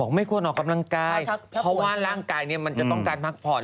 บอกไม่ควรออกกำลังไกรครับเพราะว่าร่างไกรนี้มันจะต้องการพักผ่อน